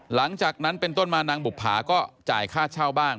หลังจากนั้นเป็นต้นมานางบุภาก็จ่ายค่าเช่าบ้าง